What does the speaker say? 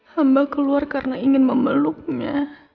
hamba keluar karena ingin memeluknya